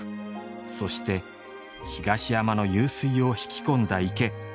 そして東山の湧水を引き込んだ池。